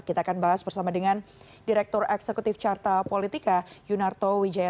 kita akan bahas bersama dengan direktur eksekutif carta politika yunarto wijaya